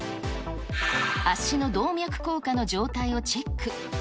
足の動脈硬化の状態をチェック。